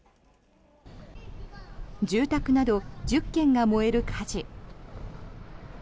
住宅など１０軒が燃える火事。